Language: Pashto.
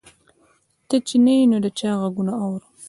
ته چې نه یې نو د چا غـــــــږونه اورم